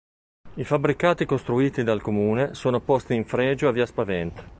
I fabbricati costruiti dal Comune sono posti in fregio a via Spaventa.